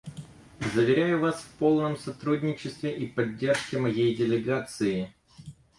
Заверяю вас в полном сотрудничестве и поддержке моей делегации.